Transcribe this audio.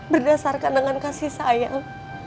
berdasarkan dengan kasih sayang